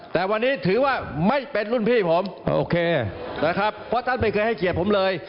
แต่วันนี้ถือว่าไม่เป็นรุ่นพี่ผมโอเคนะครับเพราะท่านไม่เคยให้เกียรติผมเลย